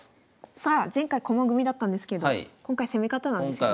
さあ前回駒組みだったんですけど今回攻め方なんですよね。